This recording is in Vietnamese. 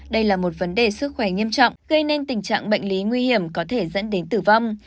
đây là một vấn đề sức khỏe nghiêm trọng gây nên tình trạng bệnh lý nguy hiểm có thể dẫn đến tử vong